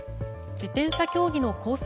自転車競技のコース